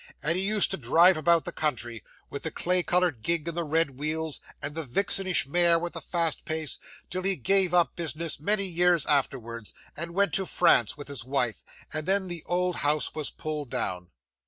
And he used to drive about the country, with the clay coloured gig with the red wheels, and the vixenish mare with the fast pace, till he gave up business many years afterwards, and went to France with his wife; and then the old house was pulled down.